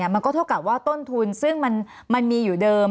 มันก็เท่ากับว่าต้นทุนซึ่งมันมีอยู่เดิม